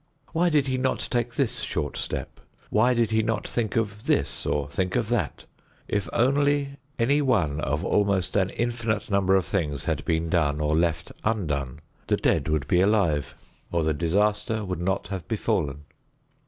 Why did he not take this short step? Why did he not think of this or think of that? If only any one of almost an infinite number of things had been done or left undone, the dead would be alive or the disaster would not have befallen.